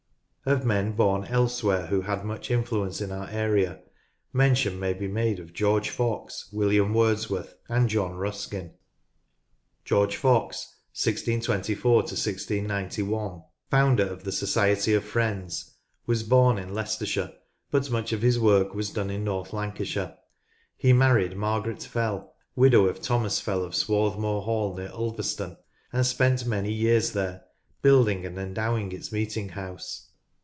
Of men born elsewhere who had much influence in our area, mention may be made of George Fox, William Wordsworth, and John Ruskin. George Fox (1624 George Romney 158 NORTH LANCASHIRE 1 691), founder of the Society of Friends, was born in Leicestershire, but much of his work was done in North Lancashire. He married Margaret Fell, widow of Thomas Fell of Swarthmoor Hall near Ulverston, and spent many Sir Richard Arkwright years there, building and endowing its meeting house.